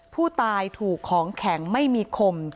ผู้ตายถูกของแข็งไม่มีคม